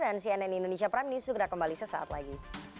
dan cnn indonesia prime news segera kembali sesaat lagi